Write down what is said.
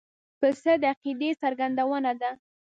پسه د عقیدې څرګندونه ده.